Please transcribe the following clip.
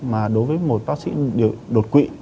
mà đối với một bác sĩ đột quỵ